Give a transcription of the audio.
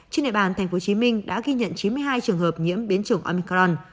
trên địa bàn tp hcm đã ghi nhận chín mươi hai trường hợp nhiễm biến chủng omicron